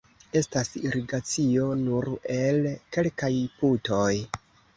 Estas irigacio nur el kelkaj putoj.